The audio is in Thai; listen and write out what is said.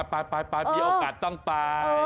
ไปมีโอกาสต้องไป